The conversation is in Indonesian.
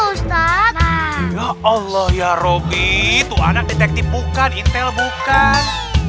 ustadz ya allah ya roby itu anak detektif bukan intel bukan